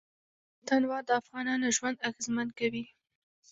تنوع د افغانانو ژوند اغېزمن کوي.